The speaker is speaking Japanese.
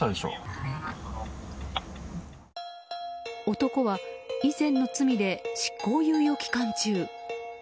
男は以前の罪で執行猶予期間中。